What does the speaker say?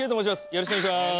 よろしくお願いします。